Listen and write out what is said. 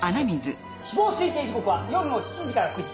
死亡推定時刻は夜の７時から９時。